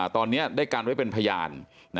ตอนนี้ได้กันไว้เป็นพยาน